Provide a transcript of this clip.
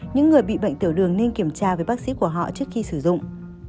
những người bị bệnh tiểu đường nên kiểm tra với bác sĩ của họ trước khi sử dụng